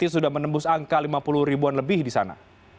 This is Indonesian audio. sudah menembus angka lima puluh ribuan lebih di sana